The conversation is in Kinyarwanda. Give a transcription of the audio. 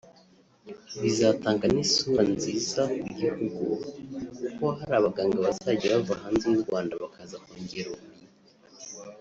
Bizatanga n’isura nziza ku gihugu kuko hari abaganga bazajya bava hanze y’u Rwanda bakaza kongera ubumenyi”